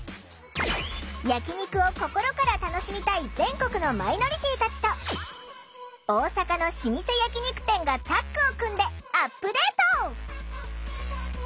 焼き肉を心から楽しみたい全国のマイノリティーたちと大阪の老舗焼き肉店がタッグを組んでアップデート！